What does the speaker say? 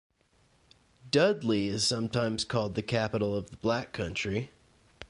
Dudley is sometimes called the capital of the Black Country.